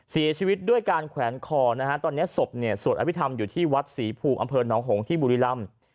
เสียชีวิตด้วยการแขวนคอนะฮะตอนนี้ศพเนี่ยสวดอภิษฐรรมอยู่ที่วัดศรีภูมิอำเภอหนองหงที่บุรีรำ